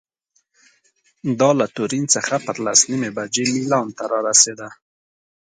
دا له تورین څخه پر لس نیمې بجې میلان ته رارسېده.